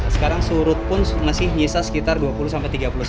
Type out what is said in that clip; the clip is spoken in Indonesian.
sekarang surut pun masih menyisa sekitar dua puluh sampai tiga puluh cm